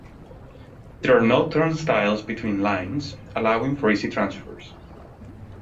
There are no turnstiles between lines, allowing for easy transfers.